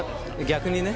逆にね